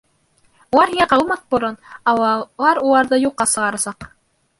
Улар һиңә ҡағылмаҫ борон, Аллалар уларҙы юҡҡа сығарасаҡ!